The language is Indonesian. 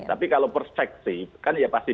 tapi kalau perspektif kan ya pasti